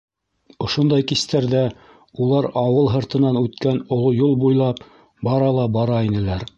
Ошондай кистәрҙә улар ауыл һыртынан үткән оло юл буйлап бара ла бара инеләр.